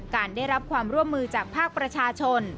การได้รับความร่วมมือจากภาคประชาชน